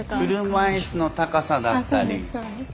車いすの高さだったり。